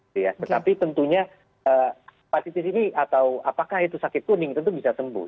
tetapi tentunya hepatitis ini atau apakah itu sakit kuning tentu bisa sembuh